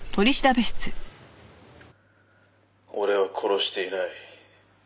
「俺は殺していない」